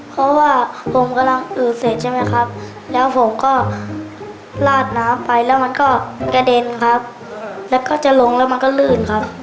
เพราะว่าผมกำลังอืดเสร็จใช่ไหมครับแล้วผมก็ลาดน้ำไปแล้วมันก็กระเด็นครับแล้วก็จะลงแล้วมันก็ลื่นครับ